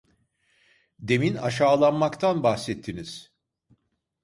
Demin aşağılanmaktan bahsettiniz.